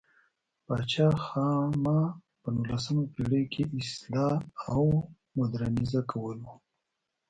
پاچا خاما په نولسمه پېړۍ کې اصلاح او مودرنیزه کول و.